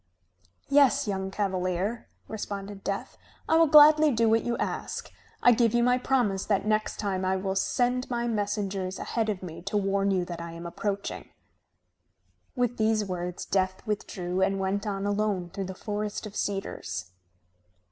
"Yes, young cavalier," responded Death. "I will gladly do what you ask. I give you my promise that next time I will send my messengers ahead of me to warn you that I am approaching." With these words Death withdrew and went on alone through the forest of cedars.